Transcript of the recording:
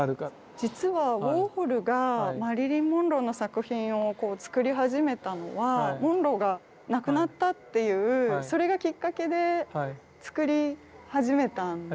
実はウォーホルがマリリン・モンローの作品を作り始めたのはモンローが亡くなったっていうそれがきっかけで作り始めたんです。